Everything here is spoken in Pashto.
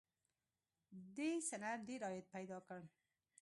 دې صنعت ډېر عاید پیدا کړ